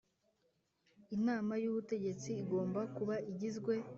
Inama y ubutegetsi igomba kuba igizwe